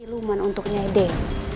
iluman untuk nyai dewi